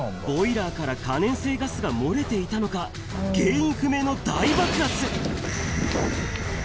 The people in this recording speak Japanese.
ボイラーから可燃性ガスが漏れていたのか、原因不明の大爆発。